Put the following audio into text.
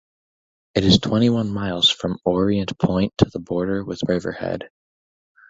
It is twenty-one miles from Orient Point to the border with Riverhead.